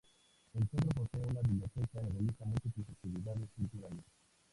El Centro posee una biblioteca y realiza múltiples actividades culturales.